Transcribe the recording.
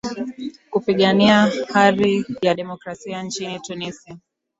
kupigania hari ya demokrasia nchini tunisia